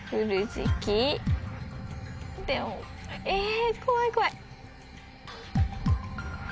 え。